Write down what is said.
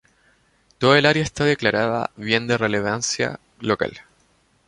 Toda el área está declarada bien de relevancia local.